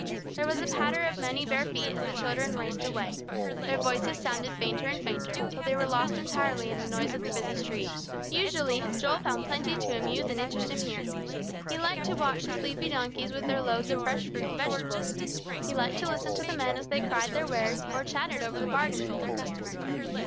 There was a patter of many bare feet as the children raced away. Their voices sounded fainter and fainter, till they were lost entirely in the noise of the busy street. Usually, Joel found plenty to amuse and interest him here. He liked to watch the sleepy donkeys with their loads of fresh fruit and vegetables. He liked to listen to the men as they cried their wares, or chatted over the bargains with their customers.